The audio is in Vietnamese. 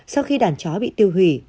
sau khi đàn chó bị tiêu hủy